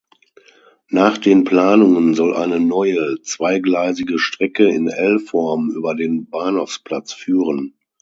Nach den Planungen soll eine neue, zweigleisige Strecke in L-Form über den Bahnhofplatz führen.